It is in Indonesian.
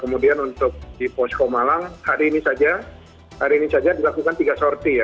kemudian untuk di posko malang hari ini saja hari ini saja dilakukan tiga sorti ya